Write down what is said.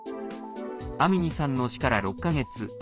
アミニさんの死から６か月。